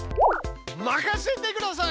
任せてください！